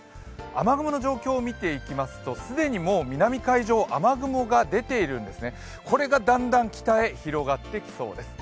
雨雲の状況を見ていきます、既にもう南海上、雨雲が出ているんですね、これがだんだん北へ広がっていきそうです。